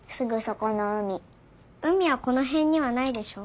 海はこのへんにはないでしょ？